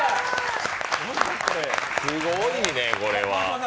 すごいね、これは。